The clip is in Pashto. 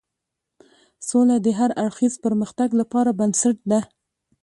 سوله د هر اړخیز پرمختګ لپاره بنسټ ده.